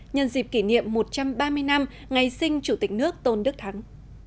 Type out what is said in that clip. nhân dịp kỷ niệm một trăm ba mươi năm ngày sinh chủ tịch nước tôn đức thắng